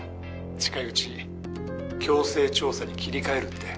近いうち強制調査に切り替えるって。